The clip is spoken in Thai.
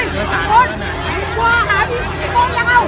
ก็ไม่มีเวลาให้กลับมาเท่าไหร่